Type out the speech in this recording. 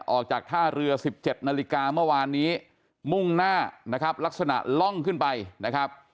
ออกจากท่าเรือ๑๗นาฬิกาเมื่อวานนี้มุ่งหน้านะครับลักษณะล่องขึ้นไปนะครับ